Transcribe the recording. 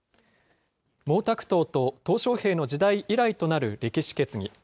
毛沢東ととう小平の時代以来となる歴史決議。